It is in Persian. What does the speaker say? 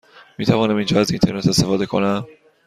می توانم اینجا از اینترنت استفاده کنم؟